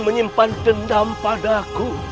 menyimpan dendam padaku